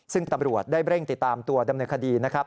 ซึ่งตำรวจได้เร่งติดตามตัวดำเนินคดีนะครับ